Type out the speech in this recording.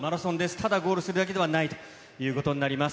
ただゴールするだけではないということになります。